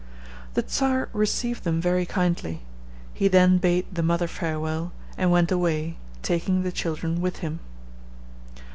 The Czar received them very kindly. He then bade the mother farewell, and went away, taking the children with him.